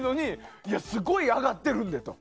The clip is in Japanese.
すごい上がってるんでと。